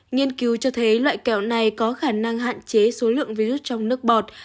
nghiên cứu cho thấy loại kẹo này có khả năng hạn chế số lượng virus trong nước bọt